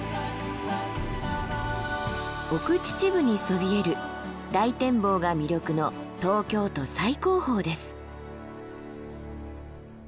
奥秩父にそびえる大展望が魅力の東京都最高峰です。